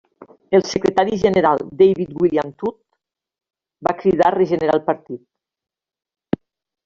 El secretari general David William Tut va cridar a regenerar el partit.